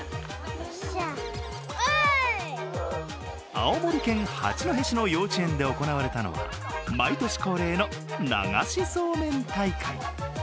青森県八戸市の幼稚園で行われたのは毎年恒例の流しそうめん大会。